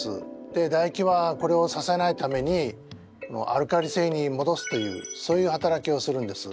でだ液はこれをさせないためにアルカリ性にもどすというそういう働きをするんです。